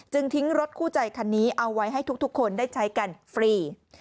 ทิ้งรถคู่ใจคันนี้เอาไว้ให้ทุกคนได้ใช้กันฟรี